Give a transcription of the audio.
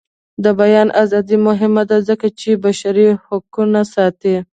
د بیان ازادي مهمه ده ځکه چې بشري حقونه ساتي.